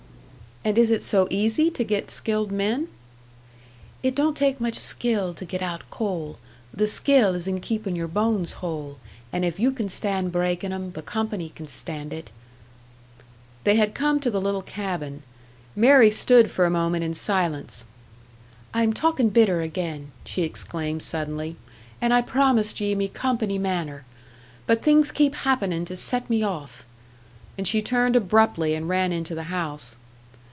"And is it so easy to get skilled men?" "It don't take much skill to get out coal. The skill is in keepin' your bones whole and if you can stand breakin' 'em, the company can stand it." They had come to the little cabin. Mary stood for a moment in silence. "I'm talkin' bitter again!" she exclaimed suddenly. "And I promised ye me company manner! But things keep happening to set me off." And she turned abruptly and ran into the house.